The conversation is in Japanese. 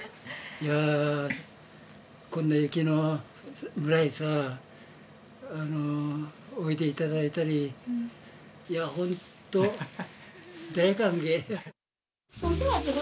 いや、こんな雪の村へさ、おいでいただいたり、いや本当、大歓迎。